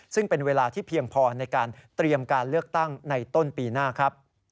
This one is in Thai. ซึ่งเป็นเวลาที่เพียงพอในการเตรียมการเลือกตั้งในต้นปีหน้าครับ